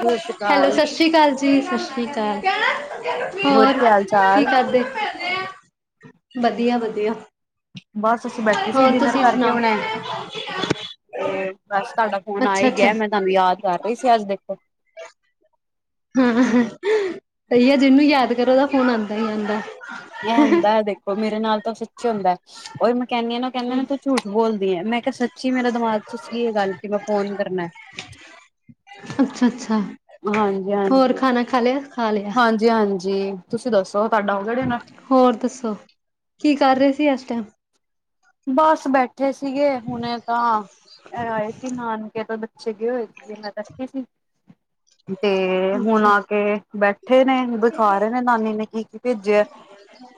ਸਤਿ ਸ਼੍ਰੀ ਹੈਲੋ ਅਕਾਲ। ਸਤਿ ਸ਼੍ਰੀ ਅਕਾਲ ਜੀ। ਸਤਿ ਸ਼੍ਰੀ ਅਕਾਲ-। ਹੋਰ ਕੀ ਹਾਲ ਕੀ ਚਾਲ? ਕਰਦੇ? ਵਧੀਆ ਵਧੀਆ। ਬਸ ਅਸੀ ਬੈਠੇ ਸੀ ਹੋਰ ਡਿਨਰ ਤੁਸੀਂ ਕਰਕੇ ਸੁਣਾਓ ਹੁਣੇ ਤੇ ਬਸ ਤਾਡਾ ਫੋਨ ਆ ਅੱਛਾ ਈ ਅੱਛਾ ਗਆ ਮੈਂ ਤਾਨੂੰ ਯਾਦ ਕਰ ਰੀ ਸੀ ਅੱਜ ਦੇਖੋ [unintelligible] ਹਾਂ। ਸਹੀ ਆ ਜਿਨੂੰ ਯਾਦ ਕਰੋ ਓਦਾ ਫੋਨ ਆਂਦਾ ਈ ਆਂਦਾ ਐ। ਐ ਹੁੰਦਾ ਐ ਦੇਖੋ। ਮੇਰੇ ਨਾਲ ਤਾਂ ਸੱਚੀ ਹੁੰਦਾ ਐ। ਓਈ ਮੈਂ ਕੈਨੀਆ ਕੈਨੇ ਨੇ ਤੂੰ ਝੂਠ ਬੋਲਦੀ ਐ। ਮੈਂ ਕੈ ਸੱਚੀ ਮੇਰੇ ਦਿਮਾਗ ਚ ਸੀ ਏ ਗੱਲ ਕਿ ਮੈਂ ਫੋਨ ਕਰਨਾ ਐ। ਅੱਛਾ ਅੱਛਾ ਹਾਂਜੀ ਹੋਰ ਹਾਂਜੀ। ਖਾਣਾ ਖਾ ਲੇਆ, ਖਾ ਲੇਆ। ਜੀ ਹਾਂਜੀ। ਤੁਸੀ ਦੱਸੋ ਤਾਡਾ ਹੋ ਗਆ ਡਿਨਰ? ਹੋਰ ਦੱਸੋ ਕੀ ਕਰ ਰੇ ਸੀ ਏਸ ਟੈਮ? ਬਸ, ਬੈਠੇ ਸੀਗੇ ਹੁਣੇ ਤਾਂ ਐ ਆਏ ਸੀ ਨਾਨਕੇ ਤੋ। ਬੱਚੇ ਗਏ ਹੋਏ ਸੀਗੇ ਮੈਂ ਬੈਠੀ ਸੀ। ਤੇ ਹੁਣ ਅੱਛਾ ਆ ਕੇ ਬੈਠੇ ਨੇ ਦਿਖਾ ਰੇ ਨੇ ਨਾਨੀ ਨੇ ਕੀ-ਕੀ ਭੇਜੇਆ ਐ?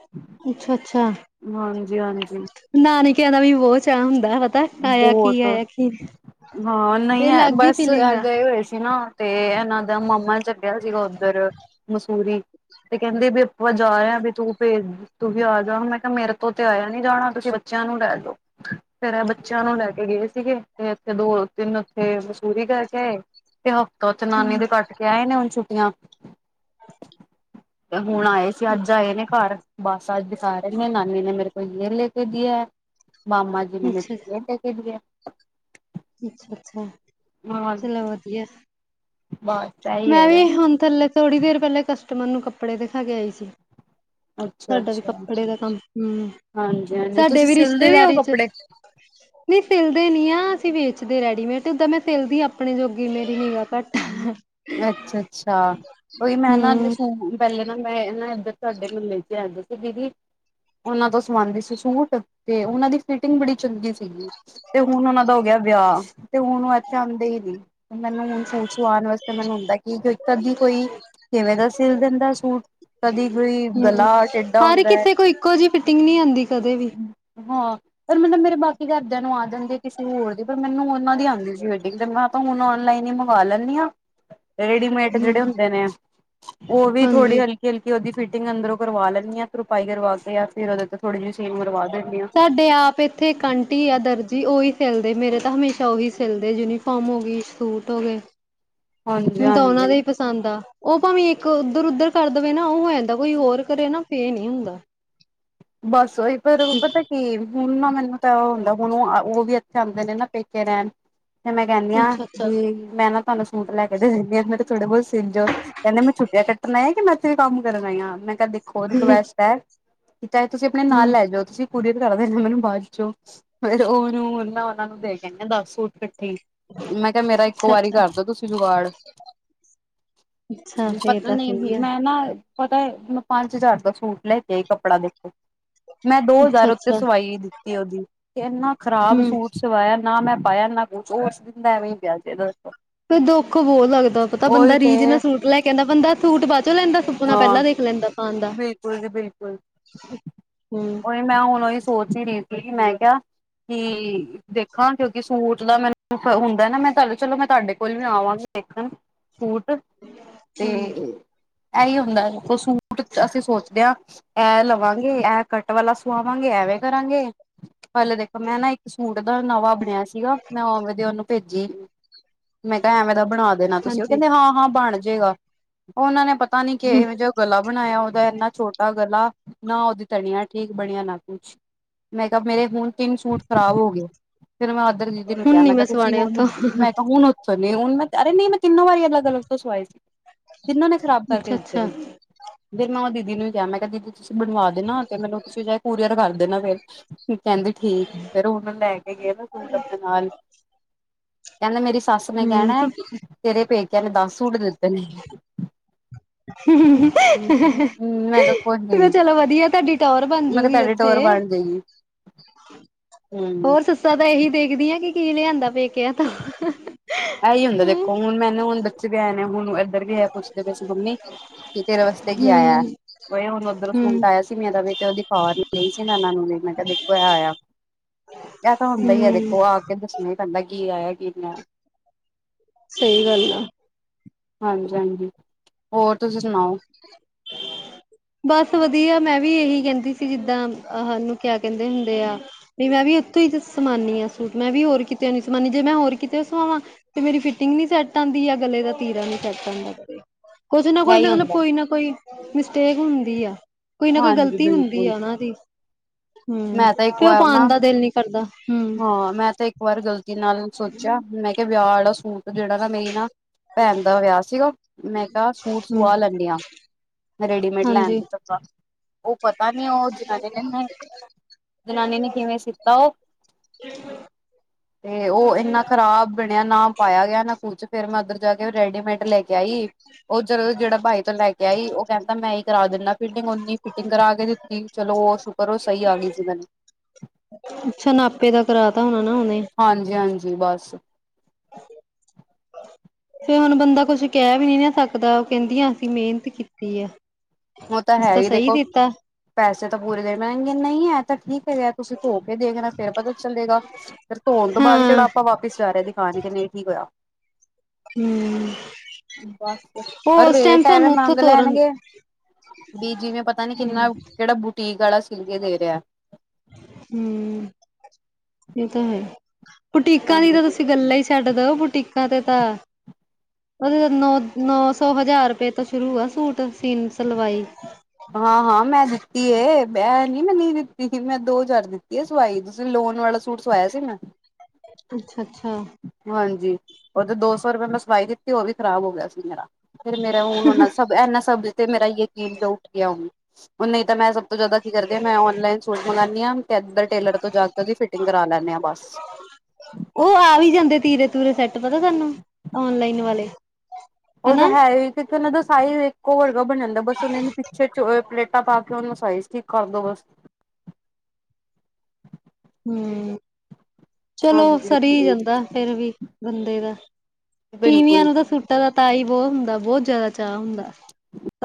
[inaudible] ਅੱਛਾ ਅੱਛਾ। ਹਾਂਜੀ ਹਾਂਜੀ। ਨਾਨਕੇਆਂ ਦਾ ਵੀ ਬੋ ਚਾ ਹੁੰਦਾ ਪਤਾ ਐ ਆਏਆ ਕੀ ਬਹੁਤ ਆਏਆ ਕੀ ਹਾਂ ਨਈ ਐ ਅਲੱਗ ਹੀ ਬਸ ਫੀਲਿੰਗ ਐ ਆ ਗਏ ਹੋਏ ਸੀ ਨਾ ਤੇ ਏਨਾਂ ਦਾ ਮਾਮਾ ਚ ਗਯਾ ਸੀਗਾ ਓਦਰ ਮਸੂਰੀ। ਤੇ ਕੈਂਦੀ ਵੀ ਆਪਾਂ ਜਾ ਆ ਵੀ ਤੂੰ ਭੇਜ ਤੁੰ ਵੀ ਆ ਜਾ। ਮੈਂ ਕੇਹ ਮੇਰੇ ਤੋਂ ਤੇ ਆਏਆ ਨੀ ਜਾਣਾ ਤੁਸੀ ਬੱਚੇਆਂ ਨੂੰ ਲੈ ਜਓ ਫੇਰ ਐ ਬੱਚੇਆਂ ਨੂੰ ਲੈ ਕੇ ਗਏ ਸੀਗੇ ਤੇ ਏਥੇ ਦੋ ਤਿੰਨ ਹਫਤੇ ਮਸੂਰੀ ਕਰਕੇ ਤੇ ਹਫ਼ਤਾ ਓਥੇ ਨਾਨੀ ਦੇ ਕੱਟ ਕੇ ਆਏ ਨੇ ਹੁਣ ਛੁੱਟੀਆਂ ਤੇ ਹੁਣ ਆਏ ਸੀ। ਅੱਜ ਆਏ ਨੇ ਘਰ ਬਸ ਅੱਜ ਸਾਰ ਮੇਰੀ ਨਾਨੀ ਨੇ ਮੇਰੇ ਕੋ ਯੇ ਲੈ ਕੇ ਦਿਆ ਹੈ, ਮਾਮਾ ਜੀ ਨੇ ਮੇਰੇ ਅੱਛਾ ਕੋ ਯੇ ਲੇ ਕੇ ਦੀਆ ਹੈ। ਅੱਛਾ ਅੱਛਾ। ਚਲੋ ਵਧੀਆ। ਬਾਏ। ਮੈਂ ਵੀ ਹੁਨ ਥੱਲੇ ਥੋੜ੍ਹੀ ਦੇਰ ਪੈਲੇ ਕਸਟਮਰ ਨੂੰ ਕੱਪੜੇ ਦਖਾ ਕੇ ਆਈ ਸੀ। [unintelligible] ਅੱਛਾ ਸਾਡਾ ਵੀ ਅੱਛਾ। ਕੱਪੜੇ ਦਾ ਕੰਮ ਹੂੰ ਹਾਂਜੀ ਹਾਂਜ ਸਾਡੇ ਤੁਸੀ ਸਿਲਦੇ ਵੀ ਓ ਕੱਪੜੇ? [unintelligible] ਨੀ ਸਿਲਦੇ ਨੀ ਆ। ਅਸੀ ਵੇਚਦੇ ਰੈਡੀਮੇਟ ਓਦਾਂ ਮੈਂ ਸਿਲਦੀ ਅਪਣੇ ਜੋਗੀ ਮੇਰੀ ਨਿਗਾ ਘੱਟ ਆ। ਅੱਛਾ ਅੱਛਾ। ਉਈ ਮੈਂ ਨਾ ਲੇ ਹੂੰ ਸੂ ਪੈਲੇ ਨਾ ਮੈਂ ਨਾ ਏਦਰ ਤੁਆਡੇ ਮੁਹੱਲੇ ਚ ਰੈਂਦੇ ਸੀ ਦੀਦੀ। ਓਨਾਂ ਤੋਂ ਸਵਾਂਦੀ ਸੀ ਸੂਟ ਤੇ ਓਨਾਂ ਦੀ ਫੀਟਿੰਗ ਬੜੀ ਚੰਗੀ ਸੀਗੀ। ਤੇ ਹੁਣ ਓਨਾਂ ਦਾ ਹੋ ਗਿਆ ਵਿਆਹ ਤੇ ਹੁਣ ਓ ਇੱਥੇ ਆਂਦੇ ਈ ਨੀ, ਮੈਨੂੰ ਹੁਣ ਸੂਟ ਸਵਾਣ ਵਾਸ ਤੇ ਮੈਨੂੰ ਹੁੰਦੈ ਕੀ ਇੱਕ ਤਾਂ ਦੀ ਕੋਈ ਕਿਵੇਂ ਦਾ ਸਿਲ ਦਿੰਦਾ ਸੂਟ ਕਦੀ ਕੋਈ ਹੂੰ, ਗਲਾ ਟੇਢਾ ਹਰ ਹੁੰਦਾ ਹੈ ਕਿਸੇ ਕੋ ਇੱਕੋ ਜੀ ਫਿਟਿੰਗ ਨੀ ਆਂਦੀ ਕਦੇ ਵੀ। ਹਾਂ ਪਰ ਮੈਨੂੰ ਨਾ ਮੇਰੇ [unintelligible] ਕੀ ਘਰਦੇਆਂ ਨੂੰ ਆ ਜਾਂਦੀ ਆ ਕਿਸੇ ਹੋਰ ਦੀ ਪਰ ਮੈਨੂੰ ਓਨਾਂ ਦੀ ਆਂਦੀ ਸੀ ਵੈਡਿੰਗ ਤੇ ਮੈਂ ਤਾਂ ਹੁਨ ਔਨਲਾਈਨ ਈ ਮੰਗਾ ਲੈਂਨੀ ਆਂ। ਰੇਡੀਮੇਡ ਹੂੰ ਜੇੜੇ ਹੁੰਦੇ ਨੇ ਓ ਵੀ ਥੋੜੀ ਹਾਂਜੀ। ਹਲ ਕੀ-ਹਲਕੀ ਓਦੀ ਫੀਟਿੰਗ ਅੰਦਰੋਂ ਕਰਵਾ ਲੈਨੀ ਆਂ ਤਰੁਪਾਈ ਕਰਵਾ ਕੇ ਯਾ ਫਿਰ ਓਦੇ ਤੇ ਥੋੜੀ ਜੀ ਸੀਨ ਮਰਵਾ ਦੇਨੀ ਆਂ। ਸਾਡੇ ਆਪ ਏਥੇ ਇੱਕ ਅੰਟੀ ਆ ਦਰਜੀ ਓਹੀ ਸਿੱਲਦੇ ਮੇਰੇ ਤਾਂ ਹਮੇਸ਼ਾ ਓਹੀ ਸਿੱਲਦੇ ਯੂਨੀਫਾ ਫਮ ਹੋ ਗਈ ਸੂਟ ਹੋ ਗਏ, ਮੈਨੂੰ ਤਾਂ ਓਨਾਂ ਹਾਂਜੀ-ਹਾਂਜੀ। ਦੇ ਈ ਪਸੰਦ ਆ ਓ ਭਾਵੇਂ ਇੱਕ ਓਦਰ-ਉਦਰ ਕਰ ਦੇਵੇ ਨਾ ਓਹ ਹੋ ਜਾਂਦਾ ਕੋਈ ਹੋਰ ਕਰੇ ਨਾ ਫੇ ਨੀ ਹੁੰਦਾ। ਬੱਸ ਓਹੀ ਪਰ ਊਂ ਪਤੈ ਤੇ ਹੁਨ ਨਾ ਮੈਨੂੰ ਤਾਂ ਓ ਹੁੰਦਾ ਹੁਨ ਓ ਵੀ ਏਥੇ ਆਂਦੇ ਨੇ ਨਾ ਪੇਕੇ ਰੈਣ ਫੇਰ ਮੈਂ ਕੈਨੀ ਆਂ ਅੱਛਾ ਅੱਛਾ। ਵੀ ਮੈਂ ਨਾ ਤੁਆਨੂੰ ਸੂਟ ਲੈ ਕੇ ਦੇ ਦਿੰਨੀ ਆਂ [unintelligible] ਤੇ ਥੋੜੇ ਬੋਤ ਸਿਲ ਜੋ। ਕੈਂਦੇ ਮੈਂ ਛੁੱਟੀਆਂ ਕੱਟਨ ਆਈ ਆਂ ਕਿ ਮੈਂ ਇੱਥੇ ਵੀ ਕੰਮ ਕਰਨ ਆਈ ਆਂ ਮੈਂ ਕਿਆ ਦੇਖੋ ਰਿਕੁਐਸਟ ਐ। ਚਾਹੇ ਤੁਸੀਂ ਆਪਣੇ ਨਾਲ ਹੂੰ ਲੈ ਜੋ ਤੁਸੀਂ [unintelligible] ਤੇ ਕਰਦੇ ਮੈਨੂੰ ਬਾਚੋ ਫੇਰ ਓ ਮੈਨੂੰ ਓਨਾਂ ਨੂੰ ਦੇ ਕੇ ਆਈ ਆਂ ਦੱਸ ਸੂਟ ਕ ਠੀਕ, ਮੈਂ ਕਿਆ ਮੇਰਾ ਇੱਕ ਅੱਛਾ ਵਾਰੀ ਅੱਛਾ ਕਰਦੋ ਤੁਸੀਂ ਜੁਗਾੜ ਅੱਛਾ ਫੇਰ ਪਤਾ ਤਾਂ ਨੀਂ, ਸਹੀ ਆ ਮੈਂ ਨਾ ਪਤਾ ਐ ਮੈਂ ਪੰਜ ਹਜ਼ਾਰ ਦਾ ਸੂਟ ਲੈ ਕੇ ਆਈ ਕੱਪੜਾ ਦੇ ਮੈਂ ਦੋ ਅੱਛਾ ਹਜ਼ਾਰ ਓਥੇ ਅੱਛਾ ਸਵਾਈ ਦਿੱਤੀ ਓਦੀ ਤੇ ਇੰਨਾ ਖਰਾਬ ਹੂੰ। ਸੂਟ ਸਵਾਇਆ ਨਾ ਮੈਂ ਪਾਏਆ ਨਾ ਕੁਛ ਓ ਓਸ ਦਿਨ ਦਾ ਐਵੇਂ ਈ ਪਿਆ [unintelligible] ਫੇ ਦੁੱਖ ਬੋਹ ਲੱਗਦਾ ਪਤਾ ਉਹੀ ਬੰਦਾ ਤੇ ਰੀਝ ਨਾਲ ਸੂਟ ਲੈ ਕੇ ਆਂਦਾ ਬੰਦਾ ਸੂਟ ਬਾਅ ਚੋਂ ਲੈਂਦਾ ਸੁਪਨਾ ਹਾਂ ਪੈਲਾਂ ਦੇਖ ਲੈਂਦਾ ਪਾਨ ਬਿਲਕੁਲ ਜੀ ਬਿਲਕੁਲ ਹੂੰ ਮੈਂ ਹੁਣ ਓਹੀ ਸੋਚ ਈ ਰਈ ਸੀ ਮੈਂ ਕਿਆ, ਕੀ ਦੇਖਾਂ ਕਿਓਂਕੀ ਸੂਟ ਦਾ ਮੈਨੂੰ ਹੁੰਦਾ ਏ ਨਾ ਮੈਂ [unintelligible] ਚਲੋ ਮੈਂ ਤੁਆਡੇ ਕੋਲ ਵੀ ਆਵਾਂਗੀ ਦੇਖਨ ਸੂਟ ਤੇ ਹਾਂਜੀ ਐਈਓ ਹੁੰਦਾ ਦੇਖੋ ਸੂਟ ਅਸੀਂ ਸੋਚਦੇ ਆਂ, ਐ ਲਵਾਂਗੇ, ਐ ਕੱਟ ਵਾਲਾ ਸੁਆਵਾਂਗੇ, ਐਵੇ ਕਰਾਂਗੇ ਪੈਲੇ ਦੇਖੋ ਮੈਂ ਨਾ ਇੱਕ ਸੂਟ ਦਾ ਨਵਾਂ ਬਣਿਆ ਸੀਗਾ ਮੈਂ ਉਵੇਂ ਦੇ ਓਨੂੰ ਭੇਜ ਜੀ, ਮੈਂ ਕਿਆ ਐਵੇਂ ਦਾ ਬਣਾ ਦੇਣਾ ਤੁਸੀਂ ਓ ਹਾਂਜੀ ਕੈਂਦੇ ਹਾਂ-ਹਾਂ ਬਣ ਜੇਗਾ। ਓ ਓਨਾਂ ਨੇ ਪਤਾ ਨੀ ਹੂੰ ਕੇਹੋ ਜਾ ਗਲਾ ਬਣਾਏਆ ਓਦਾ ਇੰਨਾ ਛੋਟਾ ਗਲਾ ਨਾ ਓਦੀ ਤਨੀਆ ਠੀਕ ਬਣੀਆਂ ਨਾ ਕੁਛ ਮੈਂ ਕਿਆ ਮੇਰੇ ਹੁਣ ਤਿੰਨ ਸੂਟ ਖਰਾਬ ਹੋ ਗਏ, ਫੇਰ ਮੈਂ ਆਦਰ ਦੀਦੀ ਨੂੰ ਹੁਣ ਕਿਆ ਨੀ ਮੈਂ ਕਿਆ ਤੁਸੀਂ ਸਵਾਣੇ ਹੁਨ ਉੱਥੋਂ ਮੈਂ ਕਿਆ ਹੁਣ ਓਥੋਂ ਨੀ ਹੁਨ ਮੈਂ ਅਰੇ ਨਈਂ ਮੈਂ ਤਿੰਨਾਂ ਵਾਰੀ ਅਲਗ-ਅਲਗ ਤੋਂ ਸਵਾਏ ਸੀ। ਤਿੰਨਾਂ ਨੇ ਖਰਾਬ ਅੱਛਾ ਕਰਕੇ ਦਿੱਤੇ ਅੱਛਾ ਨੇ। ਫੇਰ ਮੈਂ ਓ ਦੀਦੀ ਨੂੰ ਈ ਕਿਆ ਮੈਂ ਕਿਆ ਦੀਦੀ ਤੁਸੀਂ ਬਣਵਾ ਦੇਨਾ ਤੇ ਮੈਨੂੰ ਤੁਸੀਂ ਚਾਹੇ ਕੋਰੀਅਰ ਕਰ ਦੇਨਾ ਫੇਰ ਕੈਂਦੀ ਠੀਕ ਫੇਰ ਓ ਨਾ ਲੈ ਕੇ ਗਏ ਨਾ ਸੂਟ ਆਪਣੇ ਨਾਲ। ਕੈਂਦੇ ਮੇਰੀ ਸੱਸ ਨੇ ਕੈਣਾ ਐ ਹੂੰ ਤੇਰੇ ਪੇਕੇਆਂ ਨੇ ਦਸ ਸੂਟ ਦਿੱਤੇ ਨੇ। [inaudible] ਤੂੰ ਹੂੰ ਮੈਂ ਕਿਹਾ ਕੁਛ ਨੀ ਕੈ ਚਲੋ ਵਦੀਆ, ਤੁਆਡੀ ਟੋਰ ਬਣ ਮੈਂ ਜੂ ਕਿਹਾ ਗੀ ਤੁਹਾਡੀ ਓਥੇ। ਟੋਰ ਬਣ ਜਾਏਗੀ ਹੂੰ। ਸੱਸਾ ਤਾਂ ਏਹੀ ਦੇਖਦੀ ਆ ਕੀ, ਕੀ ਲੇਆਂਦਾ ਪੇਕੇਆ ਤੋਂ। ਇਹੀ ਹੁੰਦਾ ਹੂੰ, ਦੇਖੋ, ਹੁਣ ਮੈਨੂੰ ਹੁਣ ਬੱਚੇ ਵੇਹਆਏ ਨੇ ਹੁਣ, ਇੱਧਰ ਵੀ ਏ ਪੁੱਛਦੇ ਪੈਏ ਸੀ ਮੰਮੀ ਕਿ ਤੇਰੇ ਵਸਤੇ ਕੀ ਆਇਆ? ਹੂੰ, ਬਈ ਹੁਣ ਓਧੋਂਰੋ ਸੂਟ ਹੂੰ ਆਇਆ ਸੀ ਮੇਰਾ ਵੀ ਤੇ ਉਹਦੀ [unintelligible] ਪਾਗ ਨਹੀ ਆਈ ਸੀ। ਮੈਂ ਉਹਨਾਂ ਨੂੰ ਨਹੀਂ। ਮੈਂ ਦੇਖੋ, ਐਹ ਆਇਆ। ਇਹ ਤਾਂ ਹੁੰਦਾ ਹੀ ਆ ਦੇਖੋ, ਆ ਕੇ ਦੱਸਣਾ ਹੀ ਪੈਂਦਾ, ਕੀ ਆਇਆ ਕੀ ਨਹੀ ਆਇਆ। ਸਹੀ ਗੱਲ ਆ। ਹਾਂਜੀ, ਹਾਂਜੀ। ਹੋਰ ਤੁਸੀਂ ਸੁਣਾਓ? [inaudible] ਬਸ ਵਧੀਆ। ਮੈਂ ਵੀ ਇਹੀ ਕਹਿੰਦੀ ਸੀ ਜਿੱਦਾਂ, [unintelligible] ਸਾਨੂੰ ਕਿਆ ਕਹਿੰਦੇ ਹੁੰਦੇ ਆ ਨਹੀਂ, ਮੈਂ ਵੀ ਇੱਥੋਂ ਹੀ ਸਵਾਨੀਆਂ ਸੂਟ। ਮੈਂ ਵੀ ਹੋਰ ਕਿਤੇ ਨੀ ਸਵਾਦੀ। ਜੇ ਮੈਂ ਹੋਰ ਕਿਤੇ ਸਵਾਵਾਂ ਤੇ ਮੇਰੀ ਫਿਟਿੰਗ ਨੀ ਸੈਟ ਆਉਂਦੀ ਜਾਂ ਗਲੇ ਦਾ ਤੀਰਾ ਨੀ ਸੈੱਟ ਆਉਂਦਾ ਕਦੇ। ਕੁਛ ਨਾ ਕੁਛ ਇਹੀ ਮਤਲਬ ਹੁੰਦਾ ਕੋਈ ਨਾ ਕੋਈ, ਮਿਸ਼ਟੇਕ ਹੁੰਦੀ ਆ। ਕੋਈ ਨਾ ਕੋਈ ਹਾਂਜੀ ਗਲਤੀ ਹੁੰਦੀ ਬਿਲਕੁਲ ਆ ਉਹਨਾ ਦੀ। ਹੁਂ। ਮੈਂ ਤਾਂ ਇੱਕ ਤੇ ਉਹ ਵਾਰ ਨਾ ਪਾਉਣ ਦਾ ਦਿਲ ਨੀ ਕਰਦਾ, ਹੁਂ। ਹਾਂ, ਮੈਂ ਤੇ ਇੱਕ ਵਾਰ ਗਲਤੀ ਨਾਲ ਸੋਚਿਆ। ਮੈਂ ਕਿਹਾ ਵਿਆਹ ਵਾਲਾ ਸੂਟ ਜਿਹੜਾ ਨਾ ਮੇਰੀ ਨਾ, ਭੈਣਂ ਦਾ ਵਿਆਹ ਸੀਗਾ। ਮੈਂ ਕਿਹਾ ਸੂਟ ਹੂੰ ਸੁਆ ਲੈਂਣੀ ਆ ਰੇਡੀਮੇਡ ਲੈਂਨ ਹਾਂਜੀ ਤੋਂ ਚੰਗਾ। ਉਹ ਪਤਾ ਨੀ, ਉਹ ਜਨਾਨੀ ਨੇ, ਜਨਾਨੀ ਨੇ ਕਿਵੇਂ ਸੀਤਾ ਉਹ [inaudible] ਤੇ ਉਹ ਇੰਨਾ ਖਰਾਬ ਬਣਿਆ ਨਾ ਪਾਇਆ ਗਿਆ ਨਾ ਕੁਛ, ਫਿਰ ਮੈਂ ਉੱਧਰ ਜਾ ਕੇ ਰੈਡੀਮੇਡ ਲੈ ਕੇ ਲੈਆਈ, ਉਹ [unintelligible] ਜਦੋਂ ਜਿਹੜਾ ਬਾਈ ਤੋਂ ਲੈ ਕੇ ਲੈਆਈ, ਉਹ ਕਹਿੰਦਾ ਮੈਂ ਹੀ ਕਰਾ ਦਿੰਦਾ ਫਿਟਿੰਗ। ਓਨੀ ਹੀ ਫਿਟਿੰਗ ਕਰਾ ਕੇ ਦਿੱਤੀ, ਚਲੋ ਉਹ ਪਰ ਉਹ ਸਹੀ ਆ ਗਈ ਸੀ ਮੈਨੁੰ। ਅੱਛਾ! ਨਾਪੇ ਦਾ ਕਰਾ ਤਾ ਹੋਣਾਂ ਨਾ ਉਹਨੇ। ਹਾਂਜੀ, ਹਾਂਜੀ! ਬਸ। ਫਿਰ ਹੁਣ ਬੰਦਾ ਕੁਛ ਕਹਿ ਵੀ ਨਹੀ ਨਾ ਸਕਦਾ। ਉਹ ਕਹਿੰਦੀਆ ਅਸੀ ਮਿਹਨਤ ਕੀਤੀ ਆ। ਉਹ ਤਾਂ ਅਸੀ ਹੈ ਹੀ ਸਹੀ ਦੇਖੋ। ਦਿੱਤਾ ਪੈਸੇ ਤਾਂ ਪੂਰੇ ਦੇਣੇ ਪੈਣਗੇ। ਨਹੀਂ ਇਹ ਤਾਂ ਠੀਕ ਹੈਗ। ਤੁਸੀਂ ਧੋ ਕੇ ਦੇਖਣਾ ਫੇਰ ਪਤਾ ਚੱਲੇਗਾ। ਫੇਰ ਧੋਣ ਤੋਂ ਬਾਅਦ ਹਾਂ ਕਿਹੜਾ ਆਪਾਂ ਵਾਪਿਸ ਜਾ ਰਹੇ ਦਿਖਾਣ, ਕੇ ਨਹੀ ਠੀਕ ਹੋਇਆ। ਹੂੰ ਬਸ। ਉਹ ਉਸ ਟਾਈਮ ਰੇਟ ਐਵੇਂ ਸਾਨੂੰ ਉੱਥੋਂ ਮੰਗ ਤੋਰਨ ਲੈਣਗੇ ਬੀ ਜਿਵੇਂ ਪਤਾ ਨੀ ਕਿੰਨਾ, ਕਿਹੜਾ ਬੁਟੀਕ ਵਾਲਾ ਸਿਲਕੇ ਦੇ ਰਿਹਾ। ਹੁਂ, ਇਹ ਤਾਂ ਹੈ। ਬੁਟੀਕਾਂ ਦੀ ਤਾਂ ਤੁਸੀਂ ਗੱਲਾਂ ਹੀ [unintelligible] ਛੱਡ ਦੋ ਬੁਟੀਕਾਂ ਤੇ ਤਾਂ ਉਹਦੇ ਤਾਂ ਨੌ, ਨੌ ਸੌ ਹਜ਼ਾਰ ਰੁਪਏ ਤੋਂ ਸ਼ੁਰੂ ਆ ਸੂਟ, ਸੀਨ, ਸਲਵਾਈ। ਹਾਂ -ਹਾਂ ਮੈਂ ਦਿੱਤੀਏ, ਏਹ ਨੀ ਮੈਂ ਨਹੀਂ ਦਿੱਤੀ। ਮੈਂ ਦੋ ਹਜਾਰ ਦਿੱਤੀ ਹੈ ਸਵਾਈ। ਤੁਸੀ ਲੋਨ ਵਾਲਾ ਸੂਟ ਸਵਾਇਆ ਸੀ ਮੈਂ। ਅੱਛਾ-ਅੱਛਾ। ਹਾਂਜੀ। ਉਹਦੇ ਦੋ ਸੌ ਰੁਪਏ ਮੈਂ ਸਵਾਈ ਦਿੱਤੀ, ਉਹ ਵੀ ਖ਼ਰਾਬ ਹੋ ਗਿਆ ਸੀ ਮੇਰਾ। ਫਿਰ ਮੇਰਾ ਹੁਣ ਉਹਨਾ ਸਭ, ਇਨਾ ਸਬ ਤੇ ਮੇਰਾ ਯਕੀਨ ਉੱਠ ਗਿਆ ਹਣ। ਨਹੀਂ ਤਾਂ ਮੈਂ ਤੋਂ ਜਿਆਦਾ ਤੋ ਕੀ ਕਰਦੇ ਹਾਂ। ਮੈਂ ਔਨਲਾਈਨ ਸੂਟ ਮੰਗਾਨੀ ਹਾਂ ਤੇ ਇੱਧਰ ਟੇਲਰ ਤੋਂ ਜਾ ਕੇ ਉਹਦੀ ਫਿਟਿੰਗ ਕਰਾ ਲੈਂਦੇ ਹਾਂ, ਬਸ। ਉਹ ਆ ਵੀ ਜਾਂਦੇ ਤੀਰੇ ਤੂਰੇ ਸੈੱਟ ਪਤਾ ਤੁਹਾਨੂੰ, ਓਨਲਾਈਨ ਵਾਲੇ। ਹਨਾ ਉਹਦਾ ਹੈ ਹੀ ਕਿਥੇ, ਉਹਨਾਂ ਦਾ ਸਾਈਜ਼ ਇੱਕੋ ਵਰਗਾ ਬਣਨ ਦਾ। ਬਸ ਉਹਨਾਂ ਦੇ ਪਿੱਛੇ ਚੋੜੇ ਪਲੇਟ ਤਾ ਪਾ ਕੇ ਉਹਨੂੰ ਸਈਜ਼ ਠੀਕ ਕਰਦੋ ਬਸ। ਹੁਂ। ਚਲੋ ਹਾਂਜੀ ਸਰੀ ਹਾਂਜੀ ਜਾਂਦਾ ਫੇਰ ਵੀ, ਬੰਦੇ ਦਾ। ਤੀਵੀਆਂ ਬਿਲਕੁਲ ਨੂੰ ਤਾਂ ਸੁੂਟਾਂ ਦਾ ਤਾ ਹੀ ਬਹੁਤ ਹੁੰਦਾ। ਬਹੁਤ ਜ਼ਿਆਦਾ ਚਾਅ ਹੁੰਦਾ।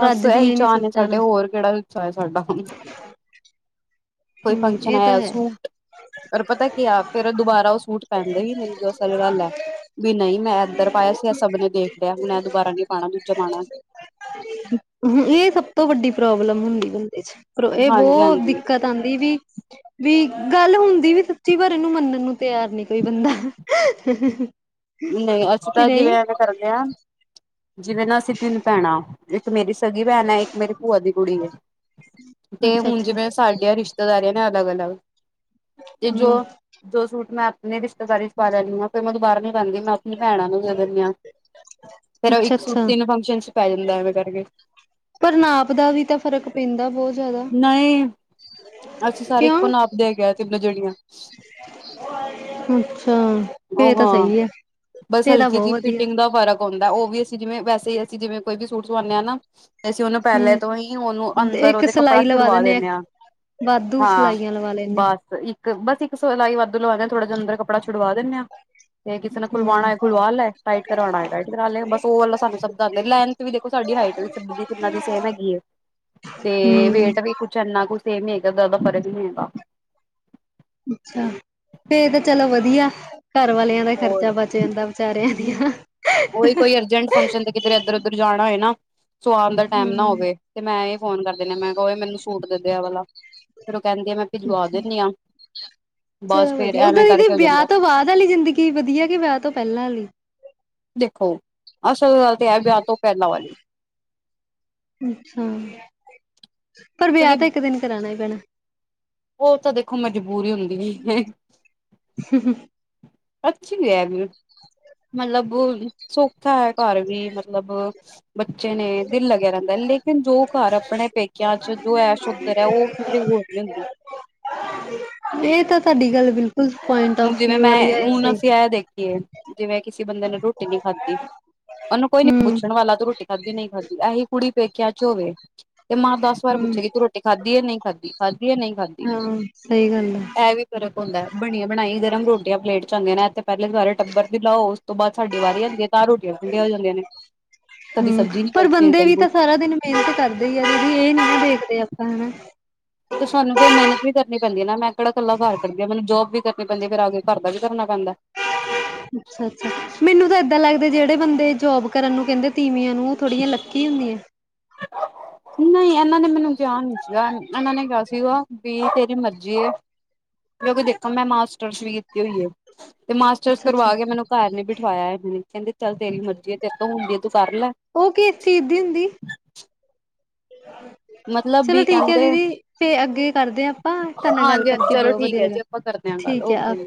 ਬਸ ਰੱਜਦੀਆਂ ਇਹੀ ਹੀ ਨੀ ਚਾਹਅ ਨੇ ਸੂਟਾਂ ਸਾਡੇ। ਨਾਲ ਹੋਰ ਕਿਹੜਾ ਕੋਈ ਚਾਹ ਹੈ ਸਾਡਾ। ਕੋਈ ਹੂੰ ਫੰਕਸ਼ਨ ਇਹ ਤਾਂ ਆਇਆ ਹੈ। ਸੂ ਫੇਰ ਪਤਾ ਕੀ ਆ ਫੇਰ ਦੁਬਾਰਾ ਉਹ ਸੂਟ ਪਹਿਨਦੇ ਹੀ ਮੈਨੂੰ ਜੋ ਅਸਲ ਗੱਲ ਹੈ ਵੀ ਨਹੀਂ ਮੈਂ ਇੱਧਰ ਪਾਇਆ ਸੀ ਏ ਸਭ ਨੇ ਦੇਖ ਲਿਆ ਹੁਣੇ ਦੁਬਾਰਾ ਨੀ ਪਾਉਣਾ ਦੂਜਾ ਪਾਉਣਾ ਹੂੰ ਇਹ ਸਭ ਤੋਂ ਵੱਡੀ ਪ੍ਰੋਬਲਮ ਹੁੰਦੀ ਬੰਦੇ ਚ ਇਹ ਬਹੁਤ ਹਾਂਜੀ-ਹਾਂਜੀ ਦਿੱਕਤ ਤਾਂਦੀ ਵੀ ਵੀ ਗੱਲ ਹੁੰਦੀ ਵੀ ਸੱਚੀ ਪਰ ਇਹਨੂੰ ਮੰਨਣ ਨੂੰ ਤਿਆਰ ਨੀ ਕੋਈ ਬੰਦਾ ਨਹੀਂ ਅਸੀਂ ਕਿ ਤਾਂ ਜਿਵੇਂ ਨਹੀਂ ਇੰਜ ਕਰਦੇ ਹਾਂ ਜਿਵੇਂ ਨਾ ਅਸੀਂ ਤਿੰਨ ਭੈਣਾਂ ਇੱਕ ਮੇਰੀ ਸਗੀ ਭੈਣ ਹੈ ਇੱਕ ਮੇਰੀ ਭੂਆ ਦੀ ਕੁੜੀ ਹੈ ਤੇ ਹੁਣ ਅੱਛਾ-ਅੱਛਾ ਜਿਵੇਂ ਸਾਡੀਆਂ ਰਿਸ਼ਤੇਦਾਰੀਆਂ ਨੇ ਅਲੱਗ ਅਲੱਗ ਤੇ ਜੋ ਹੂੰ ਜੋ ਸੂਟ ਮੈਂ ਜੇ ਰਿਸ਼ਤੇਦਾਰੀ ਚ ਪਾ ਲਿਆ ਓ ਫੇਰ ਮੈਂ ਦੁਬਾਰਾ ਨੀ ਪਾਂਦੀ ਮੈਂ ਆਪਣੀ ਭੈਣਾਂ ਨੂੰ ਦੇ ਦਿੰਦੀ ਹਾਂ ਫੇਰ ਇੱਕ ਸੂਟ ਅੱਛਾ-ਅੱਛਾ ਤਿੰਨ ਫੰਕਸ਼ਨ ਚ ਪੈ ਜਾਂਦਾ ਐਵੇਂ ਕਰਕੇ ਪਰ ਨਾਪ ਦਾ ਵੀ ਤਾਂ ਫਰਕ ਪੈਂਂਦਾ ਬਹੁਤ ਜ਼ਿਆਦਾ ਨਹੀਂ ਅਸੀਂ ਸਾਰੇ ਕਿਉਂ ਇੱਕੋ ਨਾਪ ਦੇ ਹੈਗੇ ਆਂ ਤਿੰਨੋ ਜਣੀਆ ਅੱਛਾ ਫੇਰ ਉਹ ਤਾਂ ਹਾਂ ਸਹੀ ਆ ਬਸ ਫੇਰ ਤਾਂ ਹਲਕੀ ਬਹੁਤ ਜਿਹੀ ਵਧੀਆ ਫਿਟਿੰਗ ਦਾ ਫਰਕ ਹੁੰਦਾ ਉਹ ਵੀ ਅਸੀਂ ਜਿਵੇਂ ਵੈਸੇ ਅਸੀਂ ਜਿਵੇਂ ਕੋਈ ਵੀ ਸੂਟ ਸਵਾਉਂਦੇ ਹਾਂ ਨਾ ਤੇ ਅਸੀਂ ਉਹਨੂੰ ਪਹਿਲੇ ਹੂੰ ਤੋਂ ਹੀ ਉਹਨੂੰ ਅੰਦਰ ਇੱਕ ਉਹਦੇ ਕੱਪੜਾ ਸਿਲਾਈ ਲਵਾ ਛੁਡਵਾ ਦਿੰਨੇ ਆ ਵਾਧੂ ਸਲਾਈਆਂ ਲਵਾ ਲੈਂਨੇ ਇੱਕ ਬਸ ਇੱਕ ਸਲਾਈ ਵਾਧੂ ਲਵਾ ਥੋੜਾ ਜਿਆ ਅੰਦਰ ਕੱਪੜਾ ਛੁਡਵਾ ਦਿੰਨੇ ਆ ਜੇ ਕਿਸੇ ਨੇ ਖੁਲਵਾਉਣਾ ਹੂੰ, ਹੈ ਖੁਲਵਾ ਲੈ ਟਾਈਟ ਕਰਵਾਉਣਾ ਟਾਈਟ ਕਰਾ ਲੈ ਬਸ ਓਰ ਵਾਲਾ ਸਾਨੂੰ ਸਭ ਦੱਸ ਲੈਨ ਏ ਵੀ ਦੇਖੋ ਸਾਡੀ ਹਾਈਟ ਵੀ ਸਬ ਦੀ ਤਿੰਨਾਂ ਦੀ ਸੇਮ ਹੈਗੀ ਏ ਤੇ ਹੂੰ, ਵੇਟ ਵੀ ਕੁਛ ਇੰਨਾ ਕੁਛ ਸੇਮ ਨੀ ਹੈਗਾ ਜਾਦਾ ਫਰਕ ਨੀ ਹੈਗਾ ਅੱਛਾ ਫੇਰ ਤਾਂ ਚਲੋ ਵਧੀਆ ਘਰ ਵਾਲਿਆਂ ਦਾ ਈ ਹੋਰ ਖਰਚਾ ਬਚ ਜਾਂਦਾ ਵਿਚਾਰਿਆਂ ਦੀ ਹਾ ਉਹੀ ਕੋਈ ਅਰਜੈਂਟ ਫੰਕਸ਼ਨ ਤੇ ਕਿਧਰ ਇੱਧਰ ਉੱਧਰ ਜਾਣਾ ਹੋਏ ਨਾ ਸੁਆਣ ਦਾ ਟਾਈਮ ਨਾ ਹੂੰ, ਹੋਵੇ ਤੇ ਮੈਂ ਇਹ ਫੋਨ ਕਰ ਦਿਨੀ ਆ ਮੈਂ ਕਹ ਮੈਨੂੰ ਸੂਟ ਦੇ ਦੇ ਆ ਵਾਲਾ ਫੇਰ ਉਹ ਕਹਿੰਦੀ ਆ ਮੈਂ ਭਿਜਵਾ ਦਿੰਦੀ ਆ ਬਸ ਫੇਰ ਐਵੇਂ ਕਰਕੇ ਹੋ ਜਾਂਦਾ ਸਵਾਦ ਵਾਲੀ ਜ਼ਿੰਦਗੀ ਕੀ ਵਧੀਆ ਕਿ ਵਿਆਹ ਤੋਂ ਪਹਿਲਾਂ ਆਲੀ ਦੇਖੋ ਅਸਲ ਗੱਲ ਤੇ ਹੈ ਵਿਆਹ ਤੋਂ ਪੈਲਾਂ ਵਾਲੀ ਅੱਛਾ ਪਰ ਵਿਆਹ ਤਾਂ ਕਿਉਂਕਿ ਇੱਕ ਦਿਨ ਕਰਾਣਾ ਹੀ ਪੈਣਾ ਉਹ ਤਾਂ ਦੇਖੋ ਮਜਬੂਰੀ ਹੁੰਦੀ ਏ ਹ ਹ ਅੱਛੀ ਐ ਮਤਲਬ ਸੌਖਾ ਹੈ ਘਰ ਵੀ ਮਤਲਬ ਬੱਚੇ ਨੇ ਦਿਲ ਲੱਗਿਆ ਰਹਿੰਦਾ ਲੇਕਿਨ ਜੋ ਘਰ ਆਪਣੇ ਪੇਕਿਆਂ ਚ ਜੋ ਐਸ਼ ਓ ਕਰਿਆ ਉਹ ਕਿਤੇ ਹੋਰ ਨੀ ਹੁੰਦੀ ਇਹ ਤਾਂ ਤੁਹਾਡੀ ਗੱਲ ਬਿਲਕੁਲ ਫੁਲ ਪੁਆਇੰਟ ਹੁਣ ਆਫ ਜਿਵੇਂ ਵਿਊ ਮੈਂ ਵਾਲੀ ਆ ਇਹ ਹੁਣ ਸਹੀ। ਅਸੀਂ ਐ ਦੇਖੀਏ ਜਿਵੇਂ ਕਿਸੇ ਬੰਦੇ ਨੇ ਰੋਟੀ ਨੀ ਖਾਧੀ ਉਹਨੂੰ ਕੋਈ ਨੀ ਹੂੰ, ਪੁੱਛਣ ਵਾਲਾ ਤੂੰ ਰ ਰੋਟੀ ਖਾਧੀ ਨੀ ਨਹੀਂ ਖਾਧੀ ਐਹੀ ਕੁੜੀ ਪੇਕਿਆ ਚ ਹੋਵੇ ਤੇ ਮਾਂ ਦਸ ਵਾਰ ਹੂੰ, ਪੁੱਛੇਗੀ ਤੂੰ ਰੋਟੀ ਖਾਧੀ ਹੈ ਨਹੀਂ ਖਾਧੀ ਖਾਧੀ ਹੈ ਨਹੀਂ ਖਾਧੀ ਹਾਂ ਸਹੀ ਗੱਲ ਆ। ਇਹ ਵੀ ਫ਼ਰਕ ਹੁੰਦਾ ਬਣੀਆ ਬਣਾਈ ਗਰਮ ਰੋਟੀਆਂ ਪਲੇਟ ਚ ਆਦੀਆਂ ਨੇ ਇੱਥੇ ਪਹਿਲੇ ਸਾਰੇ ਟੱਬਰ ਲਓ ਉਸ ਤੋਂ ਬਾਅਦ ਸਾਡੀ ਵਾਰੀ ਆਂਦੀ ਹੈ ਤਾਂ ਰੋਟੀ ਠੰਡੀਆਂ ਹੋ ਜਾਂਦੀਆਂ ਨੇ ਕਦੀ ਹੂੰ, ਸਬਜ਼ੀ ਨੀ ਪਰ ਬਚਦੀ ਬੰਦੇ ਕਦੀ ਵੀ ਕੁਛ ਤਾਂ ਸਾਰਾ ਦਿਨ ਮਿਹਨਤ ਕਰਦੇ ਈ ਇਹ ਨੀ ਨਾਂ ਦੇੇਖਦੇ ਆਪਾਂ ਹੈਂ। ਤੇ ਸਾਨੂੰ ਫਿਰ ਮਿਹਨਤ ਵੀ ਕਰਨੀ ਪੈਂਦੀ ਐ ਨਾ, ਮੈਂ ਕੇੜਾ ਕੱਲਾ ਕਾਰ ਕਰਦੀ ਆਂ ਮੈਨੂੰ ਜੋਬ ਵੀ ਕਰਨੀ ਪੈਂਦੀ ਐ ਫੇਰ ਆ ਕੇ ਘਰ ਦਾ ਵੀ ਕਰਨਾ ਪੈਂਦਾ। ਅੱਛਾ ਮੈਨੂੰ ਤਾਂ ਏਦਾਂ ਲੱਗਦੇ ਜੇੜੇ ਬੰਦੇ ਜੋਬ ਕਰਨ ਨੂੰ ਕੈਂਦੇ ਤੀਵੀਆਂ ਨੂੰ ਓ ਥੋੜੀਆਂ ਲੱਕੀ ਹੁੰਦੀਆਂ। ਨਈਂ ਇਨ੍ਹਾਂ ਨੇ ਮੈਨੂੰ ਕਿਆ ਨੀ ਸੀਗਾ, ਇਨ੍ਹਾਂ ਨੇ ਕਿਆ ਸੀਗਾ ਵੀ ਤੇਰੀ ਮਰਜ਼ੀ। ਜੇ ਕਿਉਂਕਿ ਦੇਖੋ ਮੈਂ ਮਾਸਟਰਸ ਵੀ ਕੀਤੀ ਹੋਈ ਐ ਤੇ ਮਾਸਟਰਸ ਅੱਛਾ-ਅੱਛਾ ਕਰਵਾ ਕੇ ਮੈਨੂੰ ਘਰ ਨੀਂ ਬਿਠਵਾਇਆ [unintelligible] ਕੈਂਦੇ ਚੱਲ ਤੇਰੀ ਮਰਜ਼ੀ ਏ ਤੇਰੇ ਤੋਂ ਹੁੰਦੀ ਐ ਤੂੰ ਕਰ ਲੈ। ਓ ਕਿਸ ਚੀਜ਼ ਦੀ ਹੁੰਦੀ। [inaudible] ਮਤਲਬ ਚਲੋ ਵੀ ਠੀਕ ਐ ਕਹਿੰਦੇ ਦੀਦੀ, ਫੇਰ ਅੱਗੇ ਕਰਦੇ ਆਂ ਆਪਾਂ ਤਾਣਾ ਨਾਲ ਗੱਲ ਕਰਕੇ ਬੋਤ ਵਧੀਆ ਲੱਗਾ। ਆਂਪਾ ਕਰਦੇ ਆਂ ਗੱਲ, ਠੀਕ ਹੈ ਓਕੇ।